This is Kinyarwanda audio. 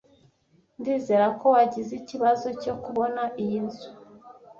Ndizera ko wagize ikibazo cyo kubona iyi nzu.